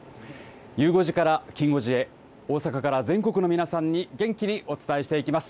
ゆう５時からきん５時へ大阪から全国の皆さんに元気にお伝えしていきます。